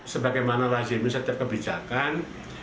sebagaimana rajin misalnya terkebijakan